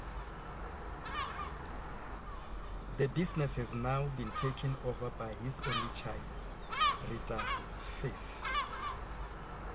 The business has now been taken over by his only child, Rita Firth.